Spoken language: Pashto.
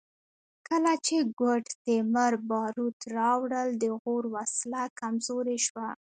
کله چې ګوډ تیمور باروت راوړل د غور وسله کمزورې شوه